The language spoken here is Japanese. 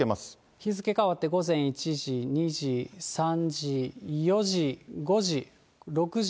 日付変わって午前１時、２時、３時、４時、５時、６時。